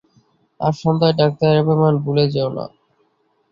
আজ সন্ধ্যায় ডাক্তারের অ্যাপয়েন্টমেন্ট ভুলে যেওনা!